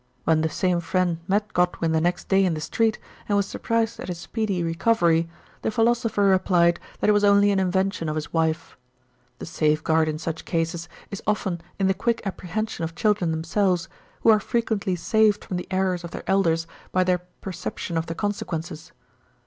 When the same friend met Godwin the next day in the street, and was surprised at his speedy recovery, the GIRLHOOD PATERNAL TROUBLES. 31 philosopher replied that it was only an invention of his wife. The safe guard in such cases is often in the quick apprehension of children themselves, who are frequently saved from the errors of their elders by their perception of the consequences.